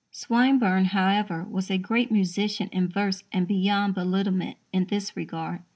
Swinburne, however, was a great musician in verse and beyond belittlement in this regard.